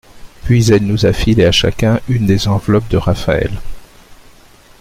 Puis elle nous a filé à chacun une des enveloppes de Raphaëlle.